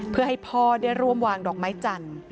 เพื่อให้พ่อได้ร่วมวางดอกไม้จันทร์